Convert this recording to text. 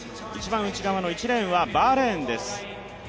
一番内側のレーンは、バーレーンです